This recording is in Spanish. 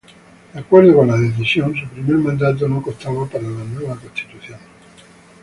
De acuerdo con la decisión, su primer mandato no contaba para la nueva Constitución.